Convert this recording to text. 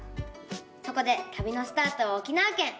そこでたびのスタートは沖縄県。